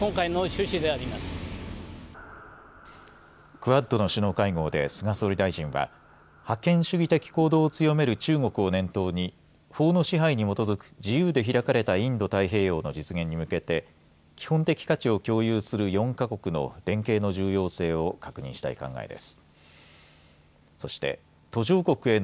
クアッドの首脳会合で菅総理大臣は覇権主義的行動を強める中国を念頭に法の支配に基づく自由で開かれたインド太平洋実現に向けて基本的価値を共有する４か国の連携の重要性を確認したい考えです。